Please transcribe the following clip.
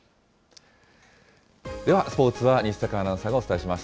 では、スポーツは西阪アナウンサーがお伝えします。